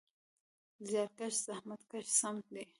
زیارکښ: زحمت کښ سم دی.